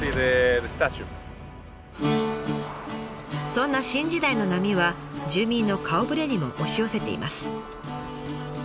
そんな新時代の波は住民の顔ぶれにも押し寄せています。